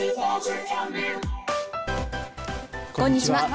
こんにちは。